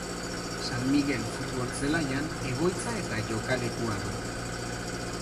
San Migel futbol zelaian egoitza eta jokalekua du.